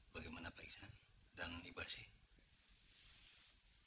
bagaimana pak isan dan ibu asyik